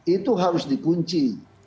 itu harus dikunci